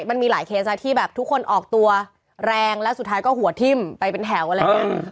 มันมีหลายเคสที่แบบทุกคนออกตัวแรงแล้วสุดท้ายก็หัวทิ้มไปเป็นแถวอะไรอย่างนี้